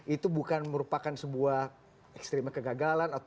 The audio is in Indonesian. itu bukan merupakan sebuah ekstrimnya kegagalan